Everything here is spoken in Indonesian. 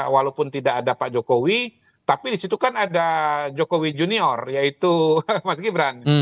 walaupun tidak ada pak jokowi tapi disitu kan ada jokowi junior yaitu mas gibran